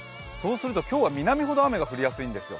今日は南ほど雨が降りやすいんですよ。